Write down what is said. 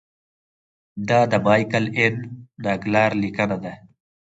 دا د مایکل این ناګلر لیکنه ده.